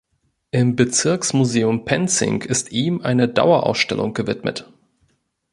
Im Bezirksmuseum Penzing ist ihm eine Dauerausstellung gewidmet.